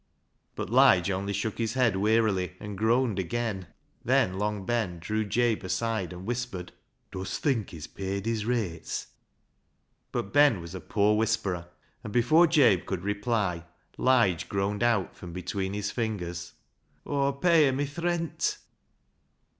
But Lige only shook his head wearily, and groaned again. Then Long Ben drew Jabe aside and whispered —" Dust think he's paid his rates ?" But Ben was a poor whisperer, and before Jabe could reply Lige groaned out from between his fingers —" Aw pay 'em i' th' rent."